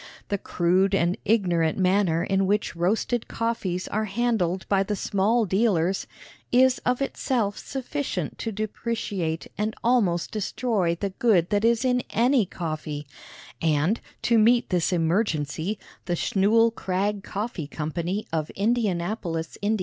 The crude and ignorant manner in which roasted coffees are handled by the small dealers is of itself sufficient to depreciate and almost destroy the good that is in any coffee; and, to meet this emergency, the Schnull Krag Coffee Co., of Indianapolis, Ind.